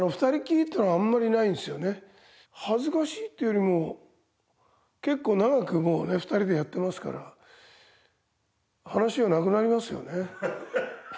恥ずかしいっていうよりも結構長くもうね２人でやってますから話がなくなりますよね。